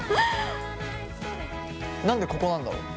何でここなんだろう。